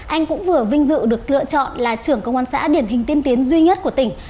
anh cũng vừa vinh dự được lựa chọn là trưởng công an xã điển hình tiên tiến duy nhất của tỉnh